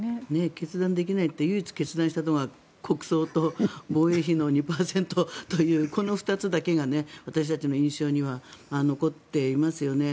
決断できないで唯一決断したのが国葬と防衛費の２％というこの２つだけが私たちの印象には残っていますよね。